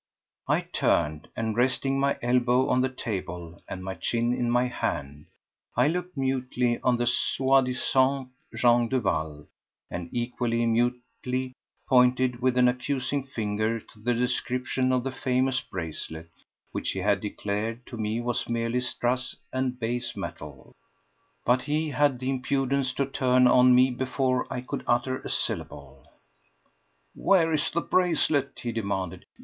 I turned, and resting my elbow on the table and my chin in my hand, I looked mutely on the soi disant Jean Duval and equally mutely pointed with an accusing finger to the description of the famous bracelet which he had declared to me was merely strass and base metal. But he had the impudence to turn on me before I could utter a syllable. "Where is the bracelet?" he demanded.